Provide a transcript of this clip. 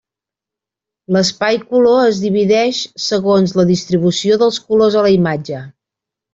L'espai color es divideix segons la distribució dels colors a la imatge.